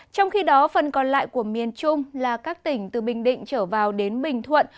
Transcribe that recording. trong khi đó phần còn lại của miền trung là các tỉnh từ bình định trở vào đến bình thuận